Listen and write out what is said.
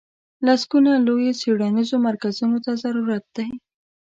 لسګونو لویو څېړنیزو مرکزونو ته ضرورت دی.